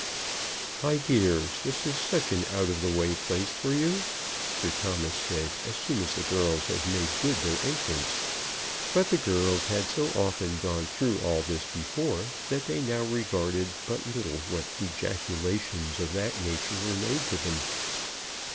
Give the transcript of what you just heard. "My dears, this is such an out of the way place for you," Sir Thomas said, as soon as the girls had made good their entrance. But the girls had so often gone through all this before, that they now regarded but little what ejaculations of that nature were made to them.